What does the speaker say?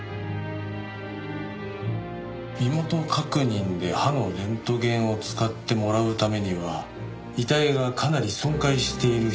身元確認で歯のレントゲンを使ってもらうためには遺体がかなり損壊している必要があった。